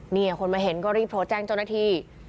เนี่ยคนมาเห็นก็รีบโทรแจ้งจนนาที